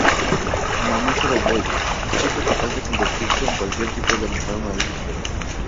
Mamífero Boy: Chico capaz de convertirse en cualquier tipo de animal mamífero.